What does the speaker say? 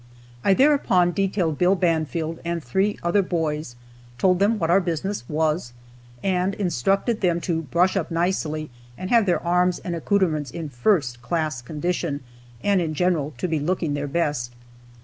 I thereupon detailed Bill Banfield and three other boys, told them what our business was, and instructed them to brush up nicely, and have their arms and accouterments in first class condition, and, in general, to be looking their best.